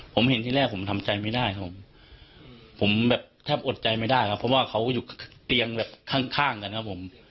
ผมเห็นที่แรกผมทำใจไม่ได้ครับผมผมแบบแทบอดใจไม่ได้ครับเพราะว่าเขาอยู่เตียงแบบข้างข้างกันครับผม